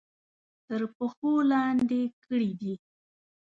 تر پښو لاندې کړي دي.